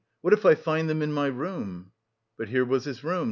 What if I find them in my room?" But here was his room.